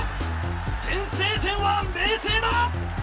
先制点は明青だ！